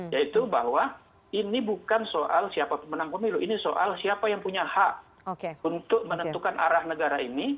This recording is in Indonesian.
yaitu bahwa ini bukan soal siapa pemenang pemilu ini soal siapa yang punya hak untuk menentukan arah negara ini